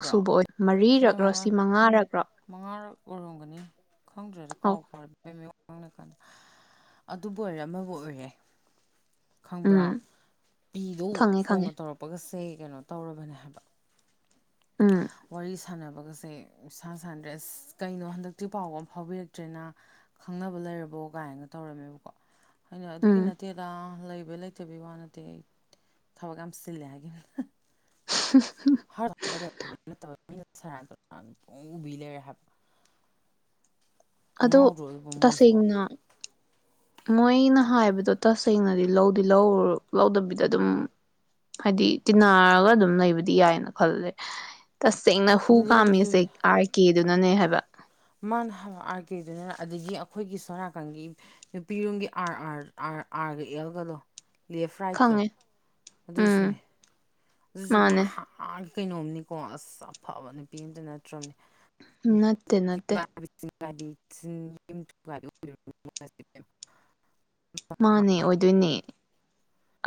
ꯛ ꯕ꯭ꯔꯣ ꯁꯨꯕ ꯑꯣꯏ ꯁꯤꯅ ꯃꯔꯤꯔꯛ꯭ꯔꯣ ꯃꯉꯥ ꯁꯤ ꯃꯉꯥꯔꯛ꯭ꯔꯣ ꯈꯪꯗ꯭ꯔꯗ ꯀꯥꯎ ꯐ ꯀꯥꯟꯗ ꯑꯗꯨꯕꯨ ꯑꯣꯏꯔꯦ ꯑꯃꯕꯨ ꯑꯣꯏꯔꯦ ꯈꯪꯕ꯭ꯔꯥ ꯎꯝ ꯄꯤꯗꯨ ꯈꯪꯉꯦ ꯐꯣꯟꯅ ꯈꯪꯉꯦ ꯇꯧꯔꯛꯄꯒꯁꯦ ꯀꯩꯅꯣ ꯇꯧꯔꯕꯅꯦ ꯍꯥꯏꯕ ꯎꯝ ꯋꯥꯔꯤ ꯁꯥꯟꯅꯕ ꯑꯗꯨꯒꯒꯁꯦ ꯁꯅ ꯁꯟꯗ꯭ꯔꯦ ꯑꯁ ꯀꯩꯅꯣ ꯍꯟꯗꯛꯇꯤ ꯄꯥꯎꯒ ꯑꯃ ꯐꯥꯎꯕꯤꯔꯛꯇ꯭ꯔꯦꯅ ꯈꯪꯅꯕ ꯂꯩꯔꯕꯣ ꯀꯥꯏꯅ ꯇꯧꯔꯝꯃꯦꯕꯀꯣ [unintelligible] ꯑꯗꯨꯏ ꯎꯝ ꯅꯠꯇꯦꯗꯥ ꯂꯩꯕꯩ ꯂꯩꯇꯕꯩ ꯋꯥ ꯅꯠꯇꯦ ꯑꯩ ꯊꯕꯛ ꯌꯥꯝ ꯁꯤꯜꯂꯦ ꯍꯥꯏꯒ ꯍ ꯍꯔ ꯍꯔ ꯕꯤ ꯂꯩꯔ ꯍꯥꯏ ꯑꯗꯣ ꯉꯥꯎꯔꯕ ꯃꯣꯏꯁꯤꯕꯨꯣ ꯇꯁꯦꯡꯅ ꯃꯣꯏꯅ ꯍꯥꯏꯕꯗꯣ ꯇꯁꯦꯡꯅꯗꯤ ꯂꯧꯗꯤ ꯂꯧ ꯂꯧꯗꯕꯤꯗ ꯑꯗꯨꯝ ꯍꯥꯏꯗꯤ ꯇꯤꯟꯅꯔꯒ ꯑꯗꯨꯝ ꯂꯩꯕꯗꯤ ꯌꯥꯏꯅ ꯈꯜꯂꯦ ꯇꯁꯦꯡꯅ ꯍꯨ ꯑꯗꯨ ꯂꯧꯕꯨꯗꯤ ꯀꯥꯝꯃꯤꯁꯦ ꯂꯧ ꯑꯥꯔ ꯀꯦ ꯑꯗꯨꯅꯅꯦ ꯍꯥꯏꯕ ꯃꯥꯅ ꯑꯥꯔ ꯀꯦꯗꯨꯅꯤ ꯑꯗꯒꯤ ꯑꯩꯈꯣꯏꯒꯤ ꯁꯅꯥꯀꯟꯒꯤ ꯅꯨꯄꯤꯔꯣꯝꯒꯤ ꯑꯥꯔ ꯑꯥ ꯑꯥ ꯑꯥꯔꯒ ꯑꯦꯜꯒꯗꯣ ꯂꯦꯐ ꯔꯥꯏꯠꯇꯣ ꯈꯪꯉꯦ ꯎꯝ ꯑꯗꯨꯁꯨꯅꯦ ꯁꯨꯦ ꯃꯥꯅꯦ ꯀꯩꯅꯣꯝꯅꯤꯀꯣ ꯑꯁ ꯑꯐꯕ ꯅꯨꯄꯤ ꯑꯝꯇ ꯅꯠꯇ꯭ꯔꯕꯅꯦ ꯅꯠꯇꯦ ꯅꯠꯇꯦ [inaudible] ꯃꯥꯅꯦ ꯑꯣꯏꯗꯣꯏꯅꯦ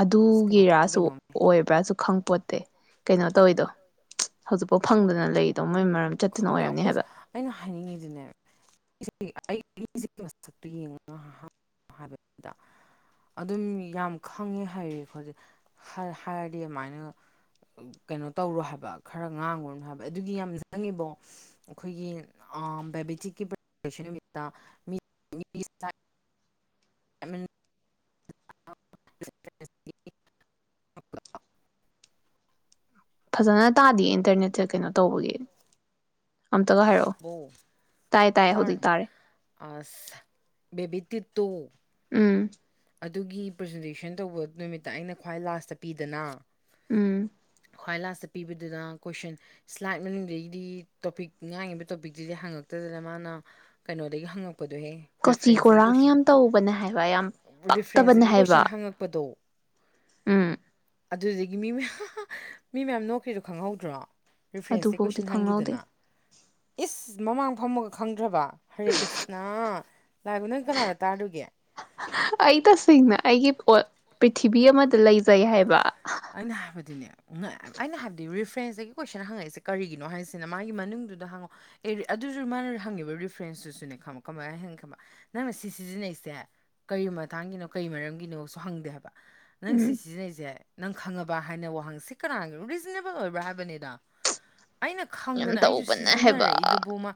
ꯑꯗꯨꯒꯤꯔꯁꯨ ꯀꯩꯅꯣꯝ ꯑꯣꯏꯕ꯭ꯔꯥꯁꯨ ꯈꯪꯄꯣꯠ ꯑꯦ ꯀꯩꯅꯣ ꯇꯧꯋꯤꯗꯣ ꯍꯧꯖꯤꯛꯐꯥꯎ ꯐꯪꯗꯅ ꯂꯩꯔꯤꯗꯣ ꯃꯣꯏ ꯃꯔꯝ ꯆꯠꯇꯅ ꯈꯪꯗꯦ ꯑꯣꯏꯔꯝꯅꯤ ꯑꯩꯈꯣꯏꯁꯨ ꯍꯥꯏꯕ ꯑꯩꯅ ꯍꯥꯏꯅꯤꯡꯉꯤꯗꯨꯅꯦ ꯑꯩꯁꯤꯁꯛꯇ ꯌꯦꯡꯉ ꯍꯥꯏꯕꯗ ꯑꯗꯨꯝ ꯌꯥꯝ ꯈꯪꯉꯦ ꯍꯥꯏꯔꯦꯣꯖꯤꯛ ꯍꯥꯏꯔꯗꯤ ꯑꯗꯨꯃꯥꯏꯅ ꯀꯩꯅꯣ ꯇꯧꯔꯣ ꯍꯥꯏꯕ ꯈꯔ ꯉꯥꯡꯉꯨꯔꯨꯅꯨ ꯍꯥꯏꯕ ꯑꯗꯨꯒꯤ ꯌꯥꯝ ꯆꯪꯉꯤꯕꯣ ꯑꯩꯈꯣꯏꯒꯤ ꯗꯥꯏꯕꯦꯇꯤꯛꯀꯤ ꯄꯟ ꯅꯨꯃꯤꯠꯇ ꯑꯃꯤꯦꯟ [inaudible] ꯍ ꯐꯖꯅ ꯇꯥꯗ ꯏꯟꯇꯔꯅꯦꯠꯁꯦ ꯀꯩꯅꯣ ꯇꯧꯕꯒꯤ ꯑꯇꯒ ꯍꯥꯏꯔꯣ ꯇꯥꯏ ꯇꯥꯏ ꯍꯧꯖꯤꯛ ꯇꯔ ꯇꯥꯔꯦ ꯑ ꯦꯕꯤ ꯏ ꯇ ꯎꯝ ꯑꯗꯨꯒꯤ ꯄ꯭ꯔꯖꯦꯟꯇꯦꯁꯟ ꯇꯧꯕ ꯅꯨꯃꯤꯠꯇ ꯑꯩꯅ ꯈ꯭ꯋꯥꯏ ꯂꯥꯁꯇ ꯄꯤꯗꯅ ꯎꯝ ꯈ꯭ꯋꯥꯏ ꯂꯥꯁꯇ ꯄꯤꯕꯗꯨꯅ ꯀꯣꯏꯁꯟ ꯁ꯭ꯂꯥꯏꯠ ꯃꯅꯨꯡꯗꯒꯤꯗꯤ ꯇꯣꯄꯤꯛ ꯉꯥꯡꯉꯤꯕ ꯇꯣꯄꯤꯛꯇꯨꯗꯤ ꯍꯪꯉꯛꯇꯗꯅ ꯃꯥꯅ ꯀꯩꯅꯣꯗꯒꯤ ꯍꯪꯉꯛꯄ ꯀꯣꯆꯤ ꯀꯨꯔꯥꯡ ꯌꯥꯝ ꯇꯧꯕꯅꯦ ꯍꯥꯏꯕ ꯌꯥꯝ ꯔꯤꯐ꯭ꯔꯦꯟꯁꯇ ꯀꯣꯏꯁꯟ ꯍꯪꯉꯛꯄꯗ ꯠꯇꯣ ꯑꯝ ꯑꯗꯨꯗꯒꯤ ꯃꯤ ꯃꯌꯥꯝ ꯃꯤ ꯃꯌꯥꯝ ꯅꯣꯛꯈꯔꯤꯗꯣ ꯈꯪꯍꯧꯗ꯭ꯔꯣ ꯔꯤꯐ꯭ꯔꯦꯟꯁꯁꯦ ꯑꯗꯨꯐꯧꯗꯤ ꯀꯣꯏꯁꯟ ꯈꯪꯍꯧꯗꯦ ꯍꯪꯈꯤꯗꯅ ꯏꯁ ꯃꯃꯥꯡ ꯐꯝꯃꯒ ꯈꯪꯗ꯭ꯔꯕ ꯍꯔꯦ ꯀ꯭ꯔꯤꯁꯅ ꯂꯥꯛꯕ ꯅꯪ ꯀꯅꯥꯗ ꯇꯥꯔꯨꯒꯦ ꯑꯩ ꯇꯁꯦꯡꯅ ꯑꯩꯒꯤ ꯄꯣꯠ ꯄ꯭ꯔꯤꯊꯤꯕꯤ ꯑꯃꯗ ꯂꯩꯖꯩ ꯍꯥꯏꯕ ꯑꯩꯅ ꯍꯥꯏꯕꯗꯤꯅꯦ ꯑꯩꯅ ꯍꯥꯏꯕꯗꯤ ꯔꯤꯐ꯭ꯔꯦꯟꯁꯇꯒꯤ ꯀꯣꯏꯁꯟ ꯍꯪꯉꯛꯏꯁꯦ ꯀꯔꯤꯒꯤꯅꯣ ꯍꯥꯏꯁꯤꯅ ꯃꯥꯒꯤ ꯃꯅꯨꯡꯗꯨꯗ ꯍꯪꯉꯛꯑꯣ ꯑꯗꯨꯗꯨ ꯃꯥꯅ ꯍꯪꯉꯦꯕ ꯔꯤꯐ꯭ꯔꯦꯟꯁꯇꯨꯁꯨꯅꯦ ꯈꯪꯕꯣ ꯀꯃꯥꯏꯅ ꯍꯪꯒꯤ ꯈꯪꯕ ꯅꯪꯅ ꯁꯤ ꯁꯤꯖꯤꯟꯅꯩꯁꯦ ꯀꯔꯤ ꯃꯇꯥꯡꯒꯤꯅꯣ ꯀꯔꯤ ꯃꯔꯝꯒꯤꯅꯣꯁꯨ ꯍꯪꯗꯦ ꯍꯥꯏꯕ ꯅꯪ ꯁꯤ ꯎꯝ ꯁꯤꯖꯤꯟꯅꯩꯁꯦ ꯅꯪ ꯈꯪꯉꯕ ꯍꯥꯏꯅ ꯋꯥꯍꯪꯁꯤ ꯀꯅꯥꯅꯣ ꯔꯤꯖꯅꯦꯕꯜ ꯑꯣꯏꯕ꯭ꯔꯥ ꯍꯥꯏꯕꯅꯤꯗꯣ ꯑꯩꯅ ꯌꯥꯝ ꯈꯪꯗꯅ ꯑꯩꯁꯨ ꯇꯧꯕꯅꯦ ꯍꯥꯏꯕ ꯁꯤꯖꯤꯟꯅꯔꯛꯏꯗꯨꯕ ꯃꯥ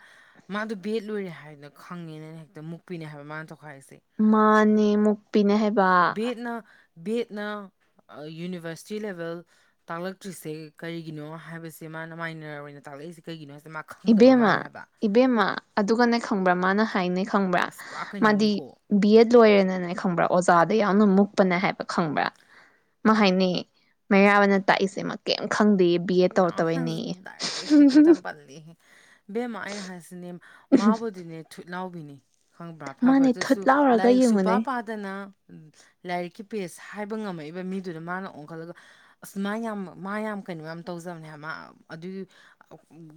ꯃꯥꯗꯨꯣ ꯕꯦꯠ ꯂꯣꯏꯔꯦ ꯍꯥꯏꯗꯅ ꯈꯪꯉꯦꯅ ꯍꯦꯛꯇ ꯃꯨꯛꯄꯤꯅꯦ ꯍꯥꯏꯕ ꯃꯥꯅ ꯇꯧꯈꯥꯏꯔꯤꯁꯦ ꯃꯥꯅꯦ ꯃꯨꯄꯤꯅꯦ ꯍꯥꯏ ꯕꯅ ꯕꯦꯠꯅ ꯌꯨꯅꯤꯚꯔꯁꯤꯇꯤ ꯂꯦꯚꯦꯜ ꯇꯥꯛꯂꯛꯇ꯭ꯔꯤꯁꯦ ꯀꯔꯤꯒꯤꯅꯣ ꯍꯥꯏꯕꯁꯦ ꯃꯥꯅ ꯃꯥꯏꯅ ꯑꯣꯏꯅ ꯇꯥꯛꯂꯛꯏꯁꯦ ꯀꯩꯒꯤꯅꯣ ꯃꯥ ꯈꯪꯗꯕ ꯏꯕꯦꯝꯃ ꯃꯥꯜꯂꯦ ꯍꯥꯏꯕ ꯏꯕꯦꯝꯃ ꯑꯗꯨꯒꯅꯦ ꯈꯪꯕ꯭ꯔꯥ ꯃꯥꯅ ꯍꯥꯏꯥꯏꯅꯦ ꯈꯪꯕ꯭ꯔꯥ ꯑꯁ ꯄꯨꯔꯥ ꯃꯥꯗꯤ ꯀꯩꯅꯣꯝꯅꯤꯀꯣ ꯕꯤ ꯑꯦꯠ ꯂꯣꯏꯔꯦꯅꯅꯦ ꯈꯪꯕ꯭ꯔꯥ ꯑꯣꯖꯥꯗ ꯌꯥꯝꯅ ꯃꯨꯛꯄꯅꯦ ꯍꯥꯏꯕ ꯈꯪꯕ꯭ꯔꯥ ꯃꯥ ꯍꯥꯏꯅꯤ ꯃꯩꯔꯥꯕꯅ ꯇꯥꯛꯏꯁꯦꯃ ꯀꯩꯝ ꯈꯪꯗꯦ ꯕꯤ ꯑꯦ ꯏꯃꯥ ꯇꯧꯔꯛꯇꯕꯩꯅꯦ ꯅꯪꯁꯨ ꯗꯥꯔ ꯈꯦꯛꯇꯇ ꯄꯜꯂꯤ ꯃꯕꯦꯃꯥ ꯑꯩꯅ ꯍꯥꯏ ꯅ ꯃꯥꯕꯨꯗꯤꯅꯦ ꯊꯨꯠꯂꯥꯎꯕꯤꯅꯤ ꯈꯪꯕ꯭ꯔꯥ ꯃꯥꯅꯦ ꯊꯨꯠ ꯐꯕꯗꯨꯁꯨ ꯂꯥꯎꯔꯒ ꯂꯥꯏꯔꯤꯛ ꯁꯨꯄꯥ ꯌꯦꯡꯉꯨꯅꯦ ꯄꯥꯗꯅ ꯂꯥꯏꯔꯤꯛꯀꯤ ꯄꯦꯖ ꯍꯥꯏꯕ ꯉꯝꯃꯛꯏꯕ ꯃꯤꯗꯨꯅ ꯃꯥꯅ ꯑꯣꯟꯈꯠꯂꯒ ꯑꯁ ꯃꯥ ꯌꯥꯝ ꯃꯥ ꯌꯥꯝ ꯀꯩꯅꯣ ꯌꯥꯝ ꯇꯧꯖꯕꯅꯦ ꯍꯥꯏꯕ ꯃꯥ ꯑꯗꯨꯒꯤ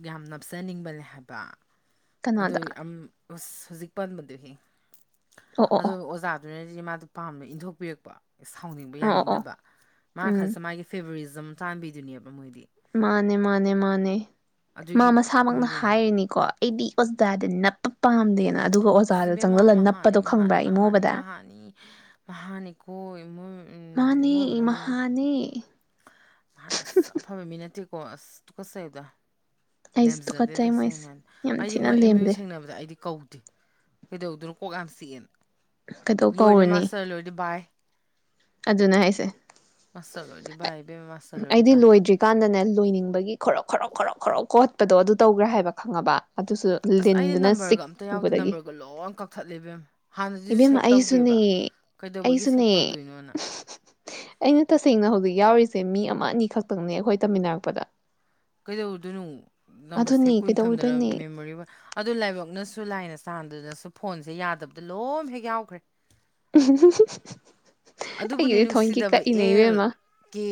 ꯌꯥꯝ ꯅꯞꯆꯅꯤꯡꯕꯅꯦ ꯍꯥꯏꯕ ꯑꯗꯨ ꯀꯅꯥꯗ ꯎꯝꯁꯁ ꯍꯧꯖꯤꯛ ꯄꯥꯟꯕꯗꯨ ꯍ ꯑꯣ ꯑꯣ ꯑꯣ ꯑꯗꯨ ꯑꯣꯖꯥꯗꯨꯅꯗꯤ ꯃꯥ ꯑꯗꯨ ꯄꯥꯝꯅ ꯏꯟꯊꯣꯛꯄꯤꯔꯛꯄ ꯁꯥꯎꯅꯤꯡꯕ ꯑꯣ ꯑꯣ ꯑꯣ ꯌꯥꯅꯤꯡꯗꯕ ꯃꯥ ꯎꯝ ꯈꯜꯁꯨꯦ ꯃꯥꯒꯤ ꯐꯦꯕꯔꯤ ꯑꯗꯨꯝ ꯇꯥꯟꯕꯤꯗꯨꯅꯦꯕ ꯃꯣꯏꯗꯤ ꯃꯥꯅꯦ ꯃꯥꯅꯦ ꯃꯥꯅꯦ ꯃꯥ ꯑꯗꯨꯒꯤ ꯃꯁꯥꯃꯛꯅ ꯃꯤꯗꯨꯅꯦ ꯍꯥꯏꯕ ꯍꯥꯏꯔꯤꯅꯤꯀꯣ ꯑꯩꯗꯤ ꯄꯥꯛꯇꯦ ꯍꯥꯏꯔꯗꯤ ꯅꯞ ꯄ ꯄꯥꯝꯗ ꯁꯤ ꯏꯕꯦꯝꯃꯥ ꯃꯍꯅꯤ ꯃꯍꯅꯤ ꯃꯍꯥꯅꯤ ꯏꯃꯣꯕꯗ ꯃꯍꯥꯅꯤ ꯃꯍꯥꯅꯤꯀꯣ ꯏꯣꯏ ꯃꯥꯅꯦ ꯏꯃꯣꯏꯅ ꯃꯍꯥꯅꯦ ꯍꯥꯟꯅ ꯑꯁ ꯑꯐꯕ ꯃꯤ ꯅꯠꯇꯦ ꯀꯣꯁ ꯀꯁ ꯇꯨꯈꯠꯆꯩꯗ ꯑꯩꯁꯨ ꯂꯦꯝꯖꯗꯦ ꯇꯨꯀꯠꯆꯩ ꯃꯣꯏꯁꯦ ꯇꯁꯦꯡꯅ ꯍꯥꯏ ꯌꯥꯝ ꯑꯩꯗꯤ ꯊꯤꯅ ꯃꯣꯏ ꯑꯦꯝ ꯌꯨ ꯂꯦꯝꯗꯦ ꯁꯦꯡꯅꯕꯗ ꯑꯩꯗꯤ ꯀꯧꯗꯦ ꯀꯩꯗꯧꯗꯣꯏꯅꯣ ꯀꯣꯛꯀꯥꯟ ꯆꯤꯛꯑꯦꯅ ꯀꯩꯗꯧ ꯂꯣꯏꯔꯦ ꯃꯥꯁꯇꯔ ꯂꯣꯏꯔꯦ ꯕꯥꯏ ꯑꯗꯨꯅ ꯍꯥꯏꯁꯦ ꯃꯁꯂꯣꯗꯤ ꯏ ꯕꯦꯝ ꯃꯁꯜꯂꯣꯗꯤ ꯕꯌꯦ ꯈꯔꯣꯛ ꯈꯔꯣꯛ ꯈꯔꯣꯛ ꯈꯔꯣꯛ ꯀꯣꯠꯄꯗꯣ ꯑꯗꯨ ꯇꯧꯒ꯭ꯔꯦ ꯍꯥꯏꯕ ꯈꯪꯉꯕ ꯑꯗꯨꯁꯨ ꯑꯁ ꯑꯩꯗꯤ ꯂꯤꯟꯗꯨꯅ ꯆꯤꯛ ꯅꯝꯕꯔꯒ ꯑꯝꯇ ꯌꯥꯎꯗꯦ ꯄꯨꯕꯗꯒꯤ ꯅꯝꯕꯔꯒ ꯂꯣꯏ ꯀꯛꯊꯠꯂꯦꯕꯦꯝ ꯍꯥꯟꯅꯗꯤꯁꯨ ꯏꯕꯦꯝꯃ ꯁꯦꯞ ꯇꯧꯗꯦꯕ ꯑꯩꯁꯨꯅꯦ ꯀꯩꯗꯧꯕꯒꯤ ꯁꯦꯞ ꯑꯩꯁꯨꯅꯦ ꯇꯧꯗꯣꯏꯅꯣꯅ ꯑꯩꯅ ꯇꯁꯦꯡꯅ ꯍꯧꯖꯤꯛ ꯌꯥꯎꯔꯤꯁꯦ ꯃꯤ ꯑꯃ ꯑꯅꯤ ꯈꯛꯇꯪꯅꯦ ꯑꯩꯈꯣꯏ ꯇꯝꯃꯤꯟꯅꯔꯛꯄꯗ ꯀꯩꯗꯧꯗꯣꯏꯅꯣ ꯅꯝꯕꯔ ꯑꯗꯨꯅꯦ ꯁꯦꯞ ꯀꯨꯏꯅ ꯊꯝꯗꯅ ꯀꯩꯗꯧꯔꯨꯗꯣꯏꯅꯦ ꯃꯦꯃꯣ ꯑꯗꯨ ꯂꯥꯏꯕꯛꯅꯁꯨ ꯂꯥꯏꯅ ꯆꯥꯟ ꯑꯗꯨꯅꯁꯨ ꯐꯣꯟꯁꯦ ꯌꯥꯗꯕꯗ ꯂꯣꯏꯅ ꯍꯦꯛ ꯌꯥꯎꯈ꯭ꯔꯦ [inaudible] ꯑꯗꯨꯕꯨꯅꯦ ꯑꯩꯒꯤꯗꯤ ꯊꯑꯣꯏꯀꯤ ꯅꯨꯡꯁꯤꯗꯕ ꯀꯛꯏꯅꯦ ꯑꯦꯜ ꯏꯕꯦꯝꯃ ꯀꯦ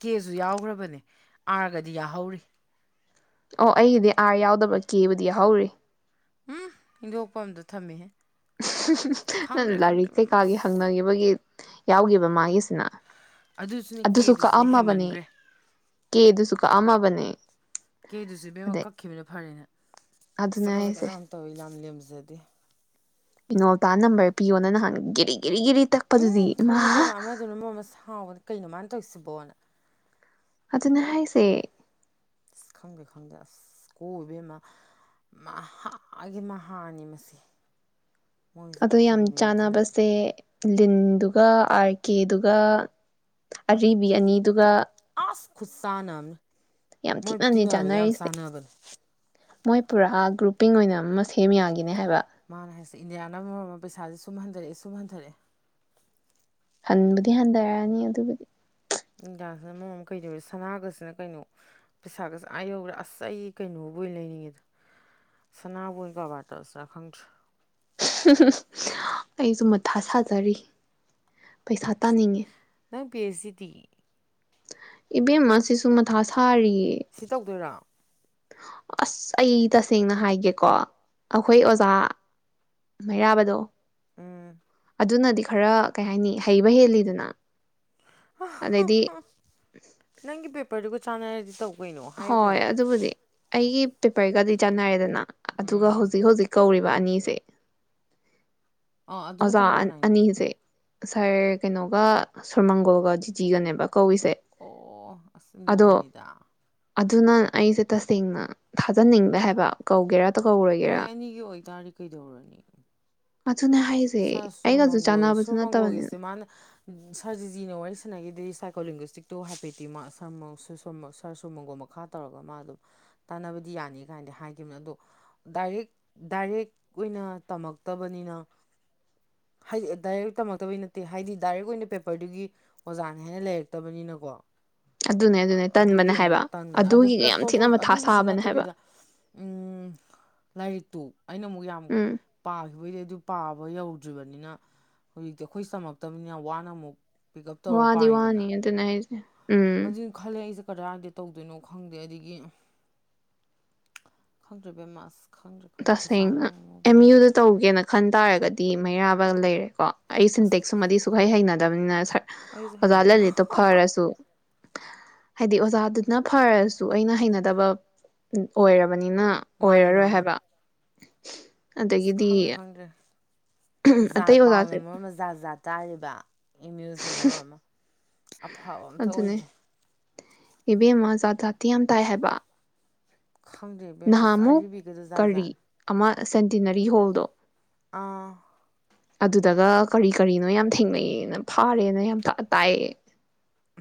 ꯀꯦꯁꯨ ꯌꯥꯎꯈ꯭ꯔꯕꯅꯦ ꯑꯥꯔ ꯒꯗꯤ ꯌꯥꯍꯧꯔꯤ ꯑꯣ ꯑꯩꯒꯤꯗꯤ ꯑꯥꯔ ꯌꯥꯎꯗꯕ ꯀꯦꯕꯨꯗꯤ ꯌꯥ ꯍꯧꯔꯤ ꯎꯝ ꯏꯟꯊꯣꯛꯄ ꯑꯝꯗ ꯊꯝꯃꯤꯍꯦ ꯈꯪꯗ꯭ꯔꯦ ꯈꯪꯗ꯭ꯔꯦ ꯂꯥꯏꯔꯤꯛ ꯕꯦꯝꯃ ꯀꯩꯀꯥꯒꯤ ꯑꯁ ꯍꯪꯅꯈꯤꯕꯒꯤ ꯌꯥꯎꯈꯤꯕ ꯃꯥꯒꯤꯁꯤꯅ ꯑꯗꯨ ꯑꯗꯨꯁꯨꯅꯦ ꯑꯗꯨ ꯁꯨꯈ ꯀꯦꯗꯨꯁꯨꯅꯦ ꯑꯃꯕꯅꯤ ꯍꯦꯟꯃꯟꯈ꯭ꯔꯦ ꯀꯦ ꯑꯗꯨ ꯁꯨꯈ ꯑꯃ ꯃꯅꯦ ꯀꯦꯗꯨꯁꯦ ꯕꯦꯝꯃ ꯀꯛꯈꯤꯕꯅ ꯐꯔꯦꯅꯦ ꯑꯗꯨꯅꯦ ꯁꯀꯠ ꯁꯀꯠ ꯍꯥꯏꯁꯦ ꯌꯥꯝ ꯇꯧꯋꯤ ꯌꯥꯝ ꯂꯦꯝꯖꯗꯤ ꯉꯣꯜꯇ ꯅꯝꯕꯔ ꯄꯤꯌꯣꯅ ꯅꯍꯥꯟꯒꯤꯔꯤ ꯎꯝ ꯈꯪꯉꯤꯕꯦꯝ ꯑꯃꯗꯨꯅ ꯃꯔ ꯑꯃ ꯁꯥꯎꯕꯅ ꯀꯩꯅꯣ ꯃꯥꯥꯏꯅ ꯇꯧꯁꯤꯕꯣꯅ ꯑꯗꯨꯅ ꯍꯥꯏꯁꯦ ꯑꯁ ꯈꯪꯗꯦ ꯈꯪꯗꯦ ꯑꯁ ꯀꯣꯏꯕ ꯑꯃ ꯃꯍꯥꯛꯀꯤꯥꯒꯤ ꯃꯍꯥꯅꯤ ꯃꯁꯤ ꯃꯣꯏꯁꯦ ꯑꯣ ꯌꯥꯝ ꯑꯐꯕ ꯃꯤ ꯑꯝꯇ ꯅꯠꯇꯦ ꯆꯥꯟꯅꯕꯁꯦ ꯗꯤꯟꯗꯨꯒ ꯑꯥꯔ ꯀꯦꯗꯨꯒ ꯑꯔꯤꯕꯤ ꯑꯅꯤꯗꯨꯒ ꯑꯥꯁꯈ ꯈꯨꯠ ꯁꯥꯟꯅ ꯌꯥꯝ ꯃꯣꯏ ꯊꯤꯅꯅꯦ ꯇꯤꯟꯅꯕꯗ ꯌꯥꯝ ꯆꯥꯟꯅꯔꯤꯁꯦ ꯁꯥꯟꯅꯕꯅꯦ ꯃꯣꯏ ꯄꯨꯔꯥ ꯒ꯭ꯔꯨꯄꯤꯡ ꯑꯣꯏꯅ ꯑꯃ ꯁꯦꯝ ꯌꯥꯈꯤꯅꯦ ꯍꯥꯏꯕ ꯃꯥꯅ ꯍꯥꯏꯁꯦ ꯏꯟꯗꯤꯌꯥ ꯅ ꯃꯔꯝ ꯑꯃ ꯄꯩꯁꯥꯁꯦ ꯁꯨꯝ ꯍꯟꯊꯔꯛꯑꯦ ꯁꯨꯝ ꯍꯟꯊꯔꯛꯑꯦ ꯍꯟꯕꯨꯗꯤ ꯍꯟꯊꯔꯛꯅꯤ ꯑꯗꯨꯕꯨꯗꯤ ꯏꯟꯗꯤꯌꯥꯁꯤꯅ ꯃꯃꯝ ꯑꯃ ꯀꯩꯗꯧꯔꯦ ꯁꯅꯥꯒꯁꯤꯅ ꯀꯩꯅꯣ ꯄꯩꯁꯥꯒꯁꯤ ꯑꯥ ꯌꯧꯈ꯭ꯔꯦ ꯑꯁ ꯑꯩ ꯀꯩꯅꯣꯕꯨ ꯑꯣꯏꯅ ꯂꯩꯅꯤꯡꯉꯦꯗ ꯁꯅꯥꯕꯨꯣꯏ ꯀꯔꯕꯥꯔ ꯇꯧꯁꯤꯔꯥ ꯈꯪꯗ꯭ꯔꯦ ꯑꯩꯁꯨ ꯃꯊꯥ ꯁꯥꯖꯔꯤ ꯄꯩꯁꯥ ꯇꯥꯅꯤꯡꯉꯦ ꯅꯪ ꯄꯁꯇꯤ ꯏꯕꯦꯝ ꯑꯁꯤꯁꯨ ꯃꯊꯥ ꯁꯥꯔꯤꯌꯦ ꯁꯤ ꯇꯧꯗꯣꯏꯔꯥ ꯑꯁ ꯑꯩ ꯇꯁꯦꯡꯅ ꯍꯥꯏꯒꯦꯀꯣ ꯑꯩꯈꯣꯏ ꯑꯣꯖꯥ ꯃꯩꯔꯥꯕꯗꯣ ꯎꯝ ꯑꯗꯨꯅꯗꯤ ꯈꯔ ꯀꯩ ꯍꯥꯏꯅꯤ ꯍꯩꯕ ꯍꯦꯜꯂꯤꯗꯅ ꯑꯗꯩꯗꯤ [unintelligible] ꯅꯪꯒꯤ ꯄꯤ ꯄꯔꯒ ꯆꯥꯟꯅꯔꯗꯤ ꯇꯧꯕ ꯍꯣꯏ ꯑꯗꯨꯕꯨꯗꯤ ꯑꯩꯒꯤ ꯇꯄꯩꯒꯗꯤ ꯆꯅ ꯍꯥꯏꯗꯅ ꯑꯗꯨꯒ ꯎꯝ ꯍꯧꯖꯤꯛ ꯍꯧꯖꯤꯛ ꯀꯧꯔꯤ ꯋꯥꯅꯤꯁꯦ ꯑꯥ ꯑꯗꯨꯅ ꯑꯣꯖꯥ ꯀꯅꯥ ꯀꯅꯥꯏꯅꯣ ꯑꯅꯤꯁꯦ ꯉꯔ ꯀꯩꯅꯣꯒ ꯁꯣꯔꯃꯪꯒꯣꯜꯒ ꯖꯤꯇꯖꯤꯒꯅꯦꯕꯣ ꯑꯣ ꯑꯁꯨꯝ ꯒꯅꯤꯗ ꯑꯗꯨꯅ ꯑꯩꯁꯦ ꯇꯁꯦꯡꯅ ꯊꯥꯖꯅꯤꯡꯕ ꯍꯥꯏꯕ ꯀꯧꯒꯦꯔ ꯃꯣꯏ ꯑꯅꯤꯒꯤ ꯑꯣꯏꯇꯥꯔ ꯀꯩꯗꯧꯔꯅꯤ ꯑꯗꯨꯅꯦ ꯁꯥꯔ ꯍꯥꯏꯁꯦ ꯁꯨꯔ ꯑꯩꯒꯁꯨ ꯃꯪꯒꯣꯜ ꯆꯥꯟꯅꯕꯁꯨ ꯁꯨꯔ ꯅꯠꯇꯕꯅꯤꯅ ꯃꯪꯒꯣꯜꯒꯤꯁꯦ ꯃꯥꯅ ꯁꯥꯔꯖꯤꯖꯤꯅ ꯋꯥꯔꯤ ꯁꯥꯟꯅꯈꯤꯗ ꯁꯥꯏꯀꯣꯂꯤꯡꯒꯁꯇꯤꯛꯇꯣ ꯍꯥꯏꯐꯦꯠꯇꯤ ꯃꯥ ꯁ ꯁ ꯁꯔ ꯁꯨꯝ ꯃꯪꯒꯨꯝ ꯃꯈꯥ ꯇꯧꯔꯒ ꯃꯥ ꯑꯗꯨꯝ ꯇꯥꯟꯅꯕꯗꯤ ꯌꯥꯅꯤ ꯀꯥꯏꯅꯗꯤ ꯍꯥꯏꯈꯤꯕꯅ ꯑꯗꯣ ꯗꯥꯏꯔꯦꯛ ꯗꯥꯏꯔꯦꯛ ꯑꯣꯏꯅ ꯇꯝꯃꯛꯇꯕꯅꯤꯅ ꯍꯥꯏꯗꯤ ꯗꯥꯏꯔꯦꯛ ꯇꯝꯃꯛꯇꯕꯩ ꯅꯠꯇꯦ ꯍꯥꯏꯗꯤ ꯗꯥꯏꯔꯦꯛ ꯑꯣꯏꯅ ꯄꯦꯄꯔꯗꯨꯒꯤ ꯑꯣꯖꯥꯅ ꯍꯥꯏꯅ ꯂꯩꯔꯛꯇꯕꯅꯤꯅꯀꯣ ꯑꯗꯨꯅꯦ ꯑꯗꯨꯅꯦ ꯑꯗꯨꯒꯤ ꯇꯟꯕꯅꯦ ꯑꯃꯨꯛ ꯍꯥꯏꯕ ꯇꯥꯟꯕꯅ ꯑꯗꯨ ꯑꯗꯨꯒꯤꯒ ꯄ꯭ꯂꯁ ꯌꯥꯝ ꯇꯞ ꯊꯤꯅ ꯃꯊꯥ ꯑꯗꯨꯒꯤꯁꯨ ꯁꯥꯕꯅꯦ ꯍꯥꯏꯕ ꯅꯠꯇꯕꯤꯗ ꯎꯝ ꯂꯥꯏꯔꯤꯛꯇꯨ ꯑꯩꯅ ꯑꯃꯨꯛ ꯌꯥꯝ ꯎꯝ ꯄꯥꯈꯤꯕꯩꯗꯤ ꯑꯗꯨ ꯄꯥꯕ ꯐꯕ ꯌꯧꯗ꯭ꯔꯤꯕꯅꯤꯅ ꯍꯧꯖꯤꯛꯇꯤ ꯑꯩꯈꯣꯏ ꯆꯝꯃꯛꯇꯕꯅꯤꯅ ꯋꯥꯅ ꯑꯃꯨꯛ ꯄꯤꯛ ꯋꯥꯗꯤ ꯋꯥꯅꯤ ꯑꯗꯨꯅꯁ ꯍꯥꯏꯖꯦ ꯫ ꯍꯧꯖꯤꯛ ꯈꯜꯂꯦ ꯑꯩꯖꯦ ꯀꯗꯥꯏꯗ ꯇꯧꯗꯣꯏꯅꯣ ꯈꯪꯗꯦ ꯑꯗꯒꯤ ꯈꯪꯗ꯭ꯔꯑꯦ ꯕꯦꯝꯃꯥ ꯑꯁ ꯈꯪꯗ꯭ꯔꯦ ꯈꯪꯗ꯭ꯔꯦ ꯄꯩꯁꯥꯅ ꯇꯁꯦꯡꯅ ꯃꯔꯣꯟ ꯑꯦꯝ ꯑꯃ ꯌꯨꯗ ꯇꯧꯒꯦꯅ ꯈꯟ ꯇꯥꯔꯒꯗꯤ ꯗꯤ ꯃꯩꯔꯥꯕ ꯂꯩꯔꯦꯀꯣ ꯑꯩ ꯁꯤꯟꯇꯦꯛ ꯁꯃꯗꯤ ꯁꯨꯛꯍꯩ ꯍꯩꯅꯗꯕꯅꯤꯅ ꯑꯩꯁꯨ ꯑꯣꯖꯥ ꯍꯩꯅꯗꯦ ꯂꯂꯤꯠꯇꯣ ꯐꯔꯁꯨ ꯍꯥꯏꯗꯤ ꯑꯣꯖꯥꯗꯨꯅ ꯐꯔꯁꯨ ꯑꯩꯅ ꯍꯩꯅꯗꯕ ꯑꯣꯏꯔ ꯕꯅꯤꯅ ꯃꯥꯅꯦ ꯑꯣꯏꯔꯔꯣꯏ ꯃꯥꯅꯦ ꯍꯥꯏꯕ꯫ ꯑꯁ ꯑꯗꯒꯤꯗꯤ ꯈꯪꯗ꯭ꯔꯦ ꯈꯪꯗ꯭ꯔꯦ ꯖꯥꯠ ꯑꯇꯩ ꯄꯥꯎꯅ ꯑꯣꯖꯥꯁꯦ ꯃꯔꯝꯗ ꯖꯥꯠ - ꯖꯥꯠ ꯇꯥꯔꯤ ꯕꯥ ꯑꯝ ꯌꯨ ꯖꯤꯟ ꯃꯔꯣꯟ ꯑꯃ꯫ ꯑꯐꯕ ꯑꯝꯇ ꯑꯗꯨꯅꯦ ꯑꯣꯏꯗ꯭ꯔꯦ꯫ ꯏꯕꯦꯝꯃ ꯖꯥꯠ ꯖꯥꯇꯤ ꯌꯥꯝ ꯇꯥꯏ ꯍꯥꯏꯕ꯫ ꯈꯪꯗꯦ ꯕꯦꯝꯃꯁ ꯅꯍꯥꯟꯃꯨꯛ ꯑꯔꯤꯕꯒꯖꯤ ꯖꯥꯠ - ꯀꯔꯤ ꯖꯠꯅꯤ꯫ ꯑꯃ ꯁꯦꯟꯇꯤꯅꯔꯤ ꯍꯣꯜꯗꯣ ꯑꯥ꯫ ꯑꯗꯨꯗꯒ ꯀꯔꯤ- ꯀꯔꯤꯅꯣ ꯌꯥꯝ ꯊꯦꯡꯅꯩꯅ ꯐꯥꯔꯦꯅ ꯌꯥꯝ ꯇ ꯇꯥꯏꯌꯦ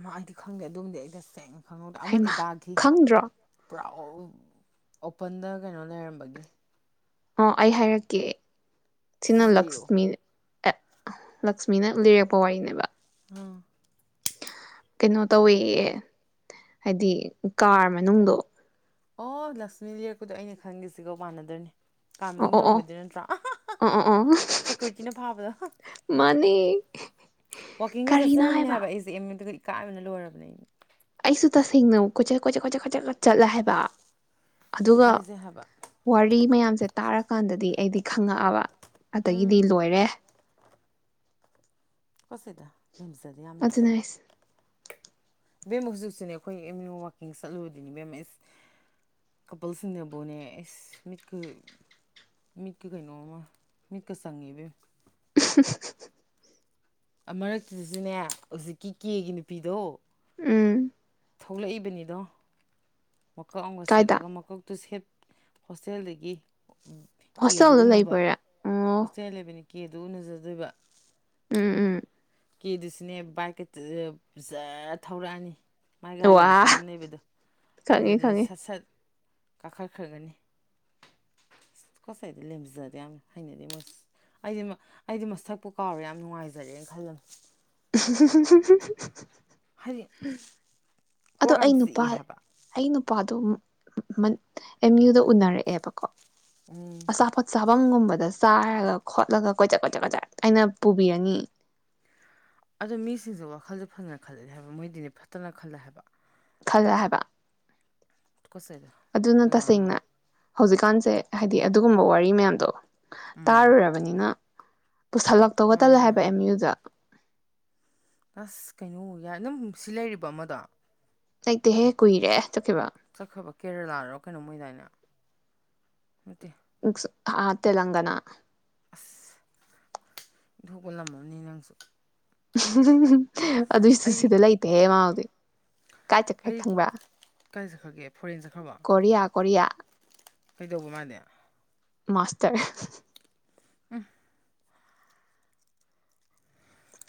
ꯃꯥ ꯑꯩꯗꯤ ꯈꯪꯗꯦ ꯑꯗꯨꯝꯗꯤ ꯑꯩꯩ ꯇꯥꯁꯦꯡꯅ ꯫ ꯈꯪꯍꯧꯗꯦ ꯑꯃꯗꯤ ꯍꯩꯃ ꯇꯥꯈꯤ꯫ ꯈꯪꯗ꯭ꯔꯣ ꯄꯨ꯭ꯔꯥꯎ ꯑꯣꯄꯟꯗ ꯀꯩꯅꯣ ꯂꯩꯔꯝꯕꯅꯤ ꯑꯣ ꯑꯩ ꯍꯥꯏꯔꯛꯀꯦ ꯆꯤꯟꯅ ꯁꯠ-ꯁꯠ ꯂꯤꯔꯛꯑꯣ ꯂꯛꯁꯃꯤ ꯑꯦ ꯂꯛꯁꯃꯤꯅ ꯂꯤꯔꯛꯄ ꯋꯥꯔꯤꯅꯦꯕ ꯑꯥ ꯀꯩꯅꯣ ꯇꯧꯋꯤ ꯍꯥꯏꯗꯤ ꯀꯥꯔ ꯃꯅꯨꯡꯗꯣ ꯑꯣ ꯂꯛꯁꯃꯤ ꯂꯤꯔꯛꯄꯗꯣ ꯑꯩꯅ ꯈꯟꯒꯁꯤꯒꯣ ꯃꯥꯟꯅꯗꯨꯅꯤ ꯀꯥꯔ ꯑꯣ ꯃꯅꯨꯡ ꯑꯣ ꯇꯧꯔꯝꯕꯗꯨ ꯅꯠꯇ꯭ꯔꯣ ꯑꯣ ꯑꯣ ꯑꯣ ꯑꯣ ꯁꯦꯀ꯭ꯌꯨꯔꯤꯇꯤꯅ ꯐꯥꯕꯗꯣ ꯃꯥꯅꯦ ꯋꯥꯀꯤꯡꯁꯦ ꯆꯠ ꯆꯔꯝꯃꯤꯅꯦ ꯍꯥꯏꯕ ꯑꯩꯁꯦ ꯏꯀꯥꯏꯕꯅ ꯂꯣꯏꯔꯕꯅꯦ ꯑꯩ ꯑꯩꯁꯨ ꯇꯁꯦꯡꯅꯧ ꯀꯣꯏꯆꯠ ꯀꯣꯏꯆꯠ ꯀꯣꯏꯆꯠ ꯀꯣꯏꯆꯠꯀ ꯆꯠꯂꯦ ꯍꯥꯏꯕ ꯑꯗꯨ ꯑꯗꯨꯒ ꯏꯀꯥꯏꯖꯩ ꯍꯥꯏꯕ ꯋꯥꯔꯤ ꯃꯌꯥꯝꯁꯦ ꯇꯥꯔꯛ ꯀꯥꯟꯗꯗꯤ ꯑꯩꯗꯤ ꯈꯪꯉꯛꯑꯕ ꯑꯗꯒꯤꯗꯤ ꯎꯝ ꯂꯣꯏꯔꯦ ꯇꯨꯀꯠꯆꯩꯗ ꯂꯦꯝꯖꯗꯦ ꯌꯥꯝ ꯑꯗꯨꯅ ꯑꯩꯁ ꯕꯦꯝꯃ ꯍꯧꯖꯤꯛꯁꯨꯅꯦ ꯑꯩꯈꯣꯏ ꯑꯦꯝ ꯌꯨ ꯋꯀꯤꯡ ꯆꯠꯂꯨꯔꯤꯅꯤ ꯏꯕꯦꯝꯃ ꯑꯦꯁ ꯀꯄꯜꯁꯤꯡꯅꯕꯨꯅꯦ ꯑꯦꯁ ꯃꯤꯠꯀ ꯃꯤꯠꯀ ꯀꯩꯅꯣꯃ ꯃꯤꯠꯀ ꯆꯪꯉꯦ ꯏꯕꯦꯝ [unintelligible] ꯑ ꯃꯔꯛ ꯁꯤꯗꯖꯨꯅꯦ ꯅꯦ ꯍꯧꯖꯤꯛꯀꯤ ꯀꯦꯒꯤ ꯅꯨꯄꯤꯗꯣ ꯎꯝ ꯊꯣꯛꯂꯛꯏꯕꯅꯤꯗꯣ ꯃꯀꯛ ꯑꯃꯒ ꯀꯥꯏꯗ ꯁꯦꯠꯂꯒ ꯃꯀꯛꯇꯨ ꯁꯦꯠ ꯍꯣꯁꯇꯦꯜꯗꯒꯤ ꯎꯝ ꯀꯦ ꯗꯨ ꯍꯣꯁꯇꯦꯜꯗ ꯎꯅꯕ ꯂꯩꯕꯩꯔꯥ ꯑꯣ ꯍꯣꯁꯇꯦꯜ ꯂꯩꯕꯅꯤ ꯀꯦꯗꯨ ꯎꯅꯖꯗꯣꯏꯕ ꯎꯝ ꯎꯝ ꯀꯦꯗꯨꯁꯨꯅꯦ ꯕꯥꯏꯛꯀ ꯖꯥ ꯊꯧꯔꯛꯑꯅꯤ ꯃꯥꯥꯏ ꯒꯥꯔꯤ ꯋꯥ ꯃꯆꯥ ꯑꯃ ꯂꯩꯕꯗꯣ ꯈꯪꯉꯦ ꯑꯗꯨꯗ ꯈꯪꯉꯦ ꯁꯠ ꯁꯠ ꯀꯥꯈꯠꯈ꯭ꯔꯒꯅꯤ ꯇꯨꯀꯠꯆꯩꯗ ꯂꯦꯝꯖꯗꯦ ꯌꯥꯝꯅ ꯍꯩꯅꯗꯤ ꯑꯩꯗꯤ ꯑꯩꯗꯤ ꯃꯁꯛꯄꯨ ꯀꯥꯎꯔꯦ ꯌꯥꯝ ꯅꯨꯡꯉꯥꯏꯖꯔꯦꯅ ꯈꯜꯂꯝ [unintelligible] ꯍꯥꯏꯗꯤ ꯑꯗꯣ ꯀꯣꯛ ꯌꯥꯝ ꯑꯩ ꯅꯨꯄꯥ ꯆꯤꯛꯏ ꯍꯥꯏꯕ ꯑꯩ ꯅꯨꯄꯥꯗꯣ ꯑꯦꯝ ꯌꯨꯗ ꯎꯅꯔꯛꯑꯦꯕꯀꯣ ꯎꯝ ꯑꯁꯥꯐꯠ ꯁꯥꯕꯪꯒꯨꯝꯕ ꯆꯥꯏꯔꯒ ꯈꯣꯠꯂꯒ ꯀꯣꯏꯆꯠ ꯀꯣꯏꯆꯠ ꯀꯣꯏꯆꯠ ꯑꯩꯅ ꯄꯨꯕꯤꯔꯅꯤ ꯑꯣ ꯃꯤꯁꯤꯡꯁꯦ ꯋꯥꯈꯜꯗꯣ ꯐꯖꯅ ꯈꯜꯂꯛꯑꯦ ꯍꯥꯏꯕ ꯃꯣꯏꯗꯤꯅꯦ ꯐꯠꯇꯅ ꯈꯜꯂꯦ ꯍꯥꯏꯕ ꯈꯜꯂꯦ ꯍꯥꯏꯕ ꯇꯠꯀꯣꯁꯦ ꯑꯗꯨ ꯑꯗꯨꯅ ꯑꯩꯈꯣꯏ ꯀꯅꯅ ꯇꯁꯦꯡꯅ ꯍꯧꯖꯤꯛꯀꯥꯟꯁꯦ ꯍꯥꯏꯗꯤ ꯑꯗꯨꯒꯨꯝꯕ ꯋꯥꯔꯤ ꯃꯌꯥꯝꯗꯣ ꯎꯝ ꯇꯥꯔꯨꯔꯕꯅꯤꯅ ꯄꯨꯁꯜꯂꯛꯇꯧꯒ ꯇꯜꯂꯦ ꯃꯥꯅꯦ ꯍꯥꯏꯕ ꯃꯥꯅꯦ ꯑꯦꯝ ꯌꯨꯗ ꯑꯁ ꯀꯩꯅꯣ ꯌꯥꯏ ꯑꯗꯨꯝ ꯁꯤ ꯂꯩꯔꯤꯕꯣ ꯑꯃꯗꯣ ꯂꯩꯇꯦꯍꯦ ꯀꯨꯏꯔꯦ ꯆꯠꯀꯈꯤꯕ ꯆꯠꯈ꯭ꯔꯕ ꯀꯦꯔꯂꯥꯔꯣ ꯀꯩꯅꯣꯝ ꯑꯣꯏꯗꯥꯏꯅꯦ ꯅꯠꯇꯦ ꯑꯟꯏꯟꯇꯦꯜꯂꯤꯖꯤꯕꯜ ꯑꯥ ꯇꯦꯂꯪꯒꯅꯥ ꯑꯁ ꯏꯟꯊꯣꯛꯄꯂꯝꯃꯝꯅꯤ ꯅꯪꯁꯦ ꯎ [unintelligible] ꯑꯗꯨꯏꯁꯨ ꯁꯤꯗ ꯂꯩꯇꯦꯍꯦ ꯃꯥ ꯍꯧꯖꯤꯛ ꯀꯥꯏ ꯆꯠꯈ꯭ꯔꯤ ꯈꯪꯕ꯭ꯔꯥ ꯀꯥꯏꯆꯠꯈ꯭ꯔꯒꯦ ꯀꯣꯔꯤꯌꯥ ꯀꯣꯔꯤꯌꯥ ꯀꯩꯗꯧꯕ ꯃꯥꯗꯤ ꯃꯥꯁꯇꯔ ꯑ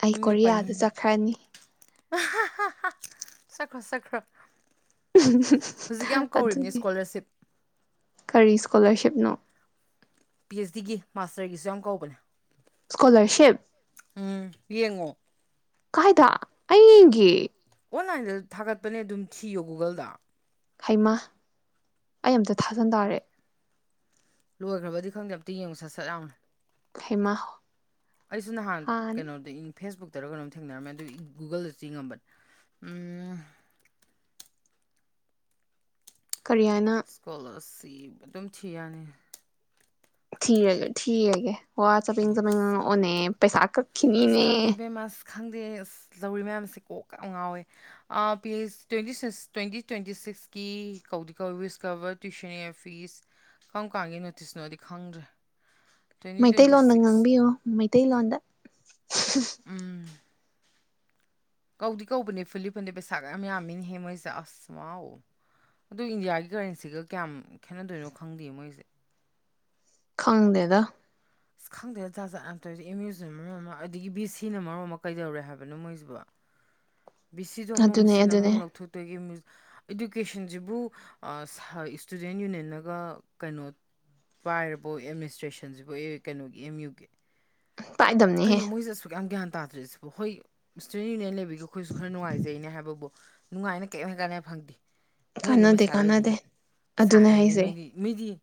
ꯑꯩ ꯀꯣꯔꯤꯌꯥꯗ ꯆꯠꯈ꯭ꯔꯅꯤ ꯆꯠꯈꯣ ꯆꯠꯈ꯭ꯔꯣ ꯍꯧꯖꯤꯛ ꯌꯥꯝ ꯀꯧꯔꯤꯕꯅꯤ ꯑꯗꯨꯅꯤ ꯏꯁꯀꯣꯂꯥꯔꯁꯤꯞ ꯀꯔꯤ ꯏꯁꯀꯣꯂꯥꯔꯁꯤꯞꯅꯣ ꯄꯤ ꯑꯦꯁ ꯗꯤꯒꯤ ꯃꯥꯁꯇꯔꯒꯤꯁꯨ ꯌꯥꯎꯅ ꯀꯧꯕꯅꯦ ꯏꯁ꯭ꯀꯣꯂꯔꯁꯤꯞ ꯎꯝ ꯌꯦꯡꯉꯣ ꯀꯥꯏꯗ ꯑꯩꯒꯤ ꯑꯣꯟꯂꯥꯏꯟꯗ ꯊꯥꯒꯠꯄꯅꯦ ꯑꯗꯨꯝ ꯊꯤꯌꯣ ꯒꯨꯒꯜꯗ ꯍꯩꯃꯥ ꯑꯩ ꯑꯝꯇ ꯊꯥꯖꯟ ꯇꯥꯔꯦ ꯂꯣꯏꯒ꯭ꯔꯕꯗꯤ ꯈꯪꯗꯦ ꯑꯝꯇ ꯌꯦꯡꯉꯨ ꯁꯠ ꯁꯠ ꯌꯥꯝꯎꯅ ꯍꯩꯃꯥ ꯑꯩꯁꯨ ꯅꯍꯥꯟ ꯍꯥꯟꯅ ꯀꯩꯅꯣꯗꯩꯅꯦ ꯐꯦꯁꯕꯨꯛꯇꯔꯣ ꯀꯩꯅꯣꯝ ꯊꯦꯡꯅꯔꯝꯃꯦ ꯑꯗꯨꯒꯤ ꯒꯨꯒꯜꯗ ꯆꯤꯡꯉꯝꯕꯅꯦ ꯀꯔꯤꯍꯥꯏꯅ ꯄꯤ ꯑꯗꯨꯝ ꯊꯤꯌꯥꯅꯤ ꯊꯤꯔꯒꯧ ꯊꯤꯔꯒꯦ ꯋꯥ ꯆꯥꯕꯦꯡ ꯁꯤ ꯆꯥꯕꯦꯡꯉꯥꯡꯉꯛꯑꯣꯅꯦ ꯄꯩꯁꯥ ꯑꯁ ꯀꯛꯈꯤꯅꯤꯅꯦ ꯈꯪꯗꯦ ꯏꯕꯦꯝꯃ ꯑꯁ ꯈꯪꯗꯦ ꯑꯁ ꯂꯧꯔꯤ ꯃꯌꯥꯝꯁꯦ ꯀꯣꯛ ꯀ ꯉꯥꯎꯋꯦ ꯄꯦꯁ ꯇ꯭ꯋꯦꯟꯇꯤ ꯁꯤꯛꯁ ꯇ꯭ꯋꯦꯟꯇꯤ ꯇ꯭ꯋꯦꯟꯇꯤ ꯁꯤꯛꯁꯀꯤ ꯀꯧꯗꯤ ꯀꯧꯏ ꯋꯤꯁꯀꯕꯔ ꯇ꯭ꯋꯏꯤꯁꯟꯅꯤꯌꯔ ꯐꯤꯁ ꯀꯔꯝ ꯀꯥꯟꯒꯤꯅꯣ ꯅꯣꯇꯤꯁꯅꯣꯗꯤ ꯈꯪꯗ꯭ꯔꯦ ꯇꯋꯦꯟꯇꯝ ꯇꯋꯦꯟ ꯃꯩꯇꯩꯩ ꯂꯣꯟꯣꯟꯗ ꯉꯥꯡꯕꯤꯌꯣ ꯃꯩꯇꯩꯂꯣꯟꯗ ꯎꯝ ꯀꯧꯗꯤ ꯀꯧꯕꯅꯦ ꯐꯨꯂꯤꯞ ꯐꯟꯗꯦ ꯄꯩꯁꯥꯒ ꯃꯌꯥꯝ ꯌꯥꯝꯃꯤꯅꯤꯍꯦ ꯃꯣꯏꯁꯦ ꯑꯁ ꯋꯥꯎ ꯑꯗꯨ ꯏꯟꯗꯤꯌꯥꯒꯤꯒ ꯀꯔꯦꯟꯁꯤꯒ ꯀꯌꯥꯝ ꯈꯦꯠꯅꯗꯣꯏꯅꯣ ꯈꯪꯗꯤꯌꯦ ꯃꯣꯏꯖꯦ ꯈꯪꯗꯦꯗ ꯑꯁ ꯈꯪꯗꯦ ꯖꯥꯖꯠ ꯌꯥꯝ ꯇꯧꯋꯤꯗ ꯑꯦꯝ ꯏꯌꯨꯁꯤꯗꯅ ꯃꯔꯣꯟ ꯑꯃ ꯑꯗꯒꯤ ꯕꯤ ꯑꯦꯁꯤꯅ ꯃꯔꯣꯝ ꯑꯃ ꯀꯩꯗꯧꯔꯦ ꯍꯥꯏꯕꯅꯣ ꯃꯣꯏꯖꯤꯕꯣ ꯕꯤꯁꯤꯗꯣ ꯑꯃꯃꯨꯛ ꯑꯗꯨꯅꯦ ꯁꯤꯜ ꯑꯗꯨꯅꯦ ꯑꯃꯃꯨꯛ ꯂꯧꯊꯣꯛꯇꯣꯏꯒꯤ ꯏꯗꯨꯀꯦꯁꯟꯖꯤꯕꯨ ꯏꯁꯇꯨꯗꯦꯟ ꯌꯨꯅꯤꯌꯟꯅꯒ ꯀꯩꯅꯣ ꯄꯥꯏꯔꯕꯣ ꯑꯦꯗꯃꯤꯅꯤꯁꯇ꯭ꯔꯦꯁꯟꯖꯤꯕꯨ ꯑꯦ ꯀꯩꯅꯣꯒꯤ ꯑꯦꯝ ꯌꯨꯒꯤ ꯄꯥꯏꯗꯝꯅꯦꯍꯦ ꯀꯩꯅꯣ ꯃꯣꯏꯖꯦ ꯑꯁꯨꯛ ꯌꯥꯝ ꯒꯌ꯭ꯥꯟ ꯇꯥꯗ꯭ꯔꯤꯁꯤꯕꯨ ꯍꯣꯏ ꯏꯁꯇꯨꯗꯦꯟ ꯌꯨꯅꯤꯌꯟ ꯂꯦꯕꯤꯒ ꯑꯩꯈꯣꯏꯁꯨ ꯈꯔ ꯅꯨꯡꯉꯥꯏꯖꯩꯅꯦ ꯍꯥꯏꯕꯕꯣ ꯅꯨꯡꯉꯥꯏꯅ ꯀꯦꯝ ꯀꯥꯟꯅ ꯐꯪꯗꯦ ꯃꯣꯏꯅ ꯀꯥꯟꯅꯗꯦ ꯄꯩꯁꯥ ꯀꯥꯟꯅꯗꯦ ꯂꯧꯒꯤꯅꯤ ꯁꯥꯥ ꯑꯗꯨꯅꯦ ꯍꯥꯏꯗꯤ ꯍꯥꯏꯁꯦ ꯃꯣꯏꯗꯤ ꯃꯤꯗꯤ